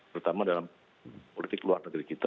terutama dalam politik luar negeri kita